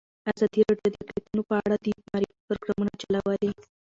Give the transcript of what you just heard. ازادي راډیو د اقلیتونه په اړه د معارفې پروګرامونه چلولي.